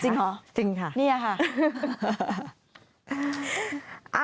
จริงเหรอนี่ค่ะจริงค่ะจริงค่ะจริงค่ะ